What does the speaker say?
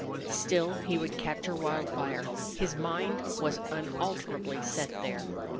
Still he would capture Wildfire; his mind was unalterably set there.